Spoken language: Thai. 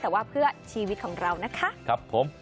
แต่ว่าเพื่อชีวิตของเรานะคะ